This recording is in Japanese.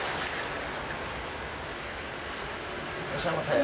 いらっしゃいませ。